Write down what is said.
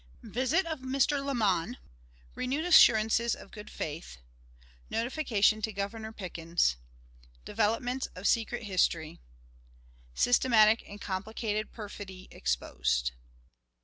Visit of Mr. Lamon. Renewed Assurances of Good Faith. Notification to Governor Pickens. Developments of Secret History. Systematic and Complicated Perfidy exposed.